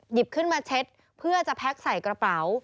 หยิบขึ้นมาเช็ดเพื่อจะแพ็คใส่กระเป๋า